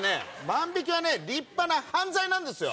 万引きは立派な犯罪なんですよ！